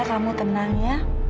kamu tenang ya